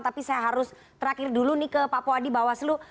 tapi saya harus terakhir dulu nih ke pak puadi bawaslu